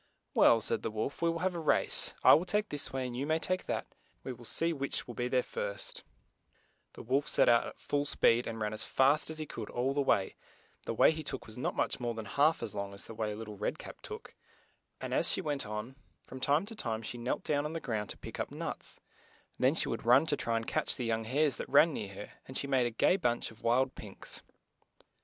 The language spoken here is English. "Well," said the wolf, "we will have a race; I will take this way and you may take that, and we shall see which will be there first." The wolf set out at full speed, and ran as fast as he could all the way; the way he took was not much more than half as long as the way Lit tle Red Cap took ; and as she went on, LITTLE RED CAP MEETS A WOLF. LITTLE RED CAT III LITTLE RED CAP PICKS A BUNCH OF WILD FLOWERS. from time to time she knelt down on the ground to pick up nuts ; then she would run to try to catch the young hares that ran near her, and she made a gay bunch of wild pinks.